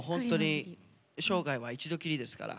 生涯は一度きりですから。